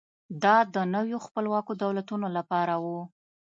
دا د نویو خپلواکو دولتونو لپاره و.